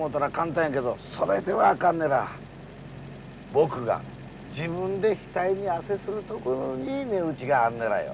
僕が自分で額に汗するところに値打ちがあんねらよ。